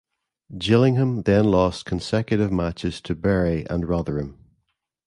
Gillingham then lost consecutive matches to Bury and Rotherham.